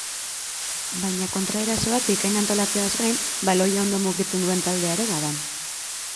Baina kontraerasoak bikain antolatzeaz gain, baloia ondo mugitzen duen taldea ere bada.